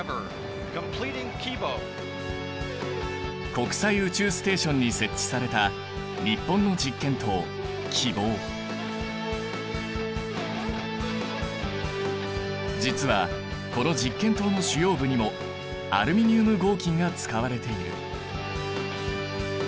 国際宇宙ステーションに設置された実はこの実験棟の主要部にもアルミニウム合金が使われている。